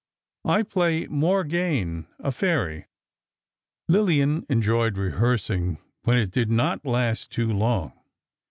I play Morgane, a fairy.... Lillian enjoyed rehearsing when it did not last too long.